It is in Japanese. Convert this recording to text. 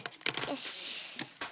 よし。